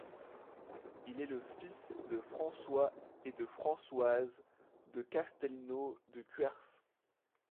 Il est le fils de François et de Françoise de Castelnau de Cuers.